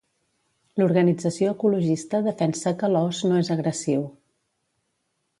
L'organització ecologista defensa que l'os no és agressiu.